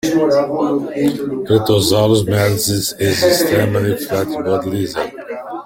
"Petrosaurus mearnsi" is an extremely flat-bodied lizard.